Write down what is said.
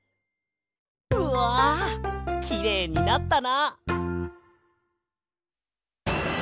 うわきれいになったな！